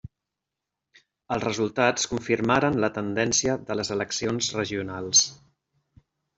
Els resultats confirmaren la tendència de les eleccions regionals.